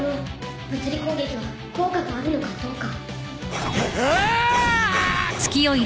物理攻撃は効果があるのかどうか。はああー！